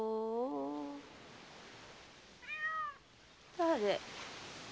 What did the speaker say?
誰？